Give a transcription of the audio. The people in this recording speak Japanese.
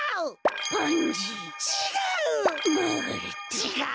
ちがう！